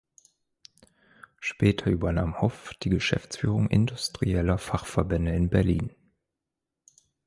Später übernahm Hoff die Geschäftsführung industrieller Fachverbände in Berlin.